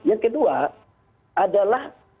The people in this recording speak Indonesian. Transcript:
yang kedua adalah